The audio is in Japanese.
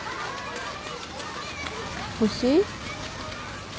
欲しい？